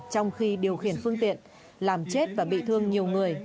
trong khi điều khiển phương tiện làm chết và bị thương nhiều người